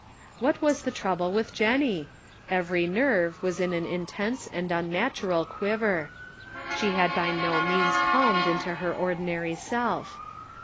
What was the trouble with Jennie ? Every nerve was in an intense and unnatural quiver. She had by no means calmed into her ordinary self.